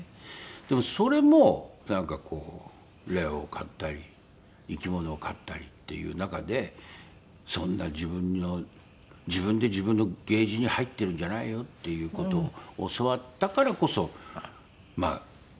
でもそれもなんかこうレオを飼ったり生き物を飼ったりっていう中でそんな自分の自分で自分のケージに入ってるんじゃないよっていう事を教わったからこそまあ今の仕事が。